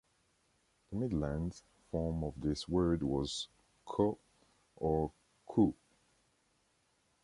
The Midlands form of this word was "co" or "coo".